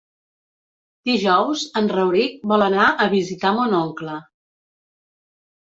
Dijous en Rauric vol anar a visitar mon oncle.